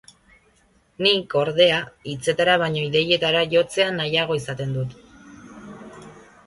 Nik, ordea, hitzetara baino ideietara jotzea nahiago izaten dut.